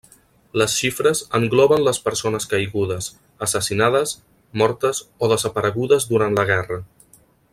Les xifres engloben les persones caigudes, assassinades, mortes o desaparegudes durant la guerra.